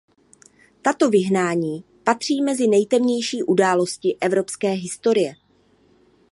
Tato vyhnání patří mezi nejtemnější události evropské historie.